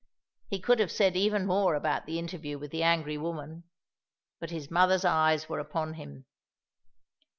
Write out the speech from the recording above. He could have said even more about the interview with the angry woman, but his mother's eyes were upon him.